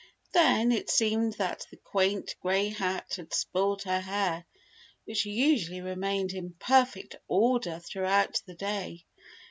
Then, it seemed that the quaint grey hat had spoiled her hair, which usually remained in perfect order throughout the day.